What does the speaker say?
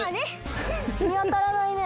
みあたらないね。